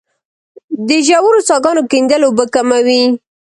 د ژورو څاګانو کیندل اوبه کموي